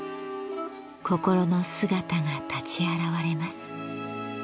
心の姿が立ち現れます。